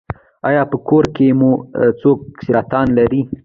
ایا په کورنۍ کې مو څوک سرطان لري؟